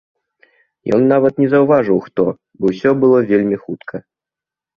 Ён нават не заўважыў хто, бо ўсё было вельмі хутка.